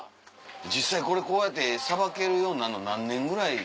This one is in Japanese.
実際これこうやってさばけるようになんの何年ぐらい？